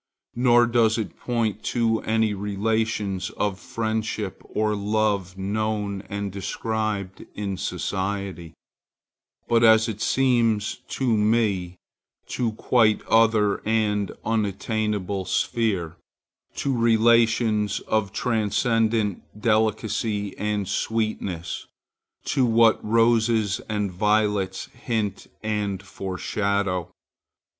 Nor does it point to any relations of friendship or love known and described in society, but, as it seems to me, to a quite other and unattainable sphere, to relations of transcendent delicacy and sweetness, to what roses and violets hint and foreshow.